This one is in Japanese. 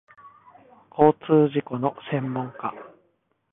交通事故の専門家